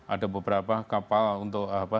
ada beberapa kapal untuk